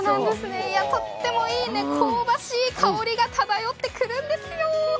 とってもいい香ばしい香りが漂ってくるんですよ。